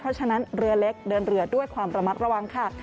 เพราะฉะนั้นเรือเล็กเดินเรือด้วยความระมัดระวังค่ะ